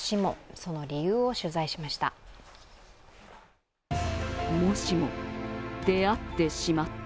その理由を取材しました。